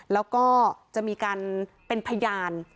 แล้วก็จะมีการเป็นพยาน